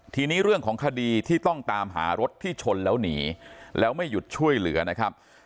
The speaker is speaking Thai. ทีนี้เรื่องของคดีที่ต้องตามหารถที่ชนแล้วหนีแล้วไม่หยุดช่วยเหลือนะครับ